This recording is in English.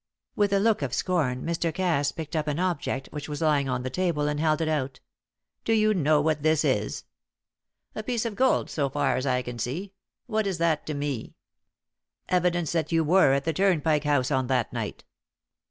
With a look of scorn Mr. Cass picked up an object which was lying on the table, and held it out. "Do you know what this is?" "A piece of gold, so far as I can see. What is that to me?" "Evidence that you were at the Turnpike House on that night."